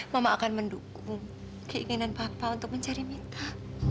mama akan mendukung keinginan papa untuk mencari mita